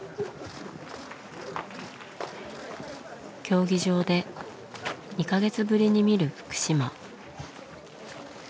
競技場で２か月ぶりに見る福島。